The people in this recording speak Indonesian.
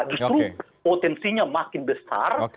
justru potensinya makin besar